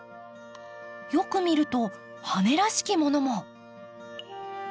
よく見ると羽らしきものも。